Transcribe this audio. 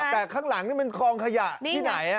แต่ข้างหลังนี่มันคลองขยะที่ไหน